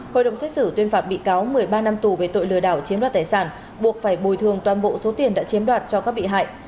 hội đồng xét xử tuyên phạt bị cáo một mươi ba năm tù về tội lừa đảo chiếm đoạt tài sản buộc phải bồi thường toàn bộ số tiền đã chiếm đoạt cho các bị hại